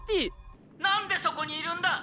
「何でそこにいるんだ！？」。